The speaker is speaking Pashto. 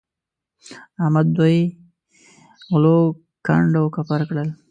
احمد دوی غلو کنډ او کپر کړل.